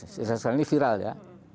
sekarang ini viral ya